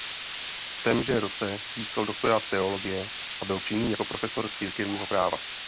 V témže roce získal doktorát teologie a byl činný jako profesor církevního práva.